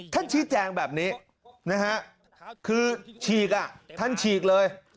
ชี้แจงแบบนี้นะฮะคือฉีกอ่ะท่านฉีกเลย